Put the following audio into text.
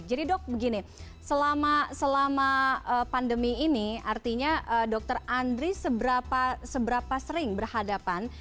jadi dok begini selama pandemi ini artinya dokter andri seberapa sering berhadapan